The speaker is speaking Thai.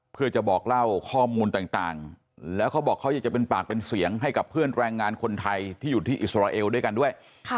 เพื่อจะบอกเล่าข้อมูลต่างแล้วเขาบอกเขาอยากจะเป็นปากเป็นเสียงให้กับเพื่อนแรงงานคนไทยที่อยู่ที่อิสราเอลด้วยกันด้วย